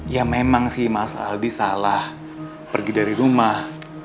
ya memang sih mas aldi salah pergi dari rumah